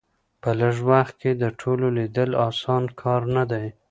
په لږ وخت کې د ټولو لیدل اسانه کار نه دی.